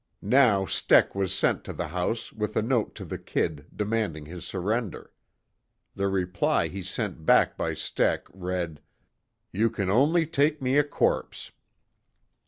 Now Steck was sent to the house with a note to the "Kid" demanding his surrender. The reply he sent back by Steck read: "You can only take me a corpse."